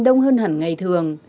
đông hơn hẳn ngày thường